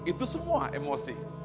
itu semua emosi